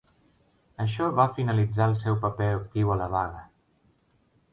Això va finalitzar el seu paper actiu a la vaga.